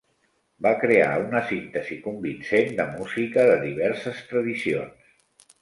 Va crear una síntesi convincent de música de diverses tradicions.